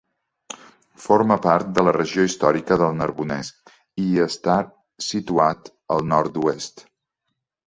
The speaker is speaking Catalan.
Forma part de la regió històrica del Narbonès i hi està situat al nord-oest.